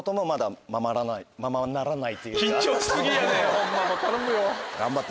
ホンマもう頼むよ。